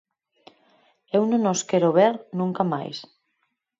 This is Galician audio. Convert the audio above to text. Eu non os quero ver nunca máis.